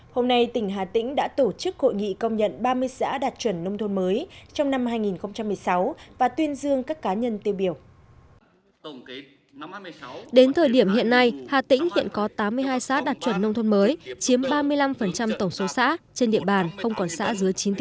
hôm nay tỉnh hà tĩnh đã tổ chức hội nghị công nhận ba mươi giã đạt chuẩn nông thôn mới trong năm hai nghìn một mươi sáu